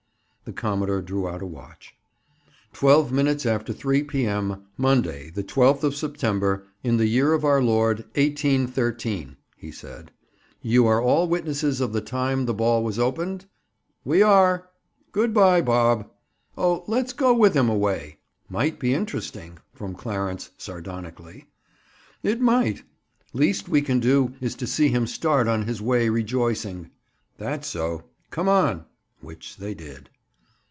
The commodore drew out a watch. "Twelve minutes after three p.m. Monday, the twelfth of September, in the year of our Lord, 1813," he said. "You are all witnesses of the time the ball was opened?" "We are." "Good by, Bob." "Oh, let's go with him a way!" "Might be interesting," from Clarence sardonically. "It might. Least we can do is to see him start on his way rejoicing." "That's so. Come on." Which they did.